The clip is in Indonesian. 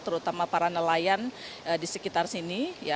terutama para nelayan di sekitar sini